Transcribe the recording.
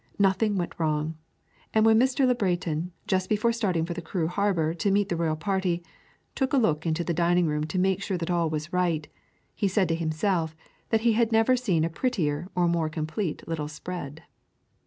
Nothing went wrong; and when Mr. Le Breton, just before starting for the Creux harbor to meet the royal party, took a look into the dining room to make sure that all was right, he said to himself that he had never seen a prettier or more complete little "spread."